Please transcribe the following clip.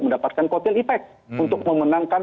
mendapatkan kotel ipec untuk memenangkan